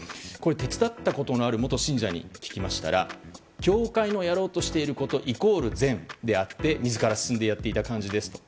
手伝ったことのある元信者に聞きましたら教会のやろうとしていることイコール善であって自ら進んでやっていた感じですと。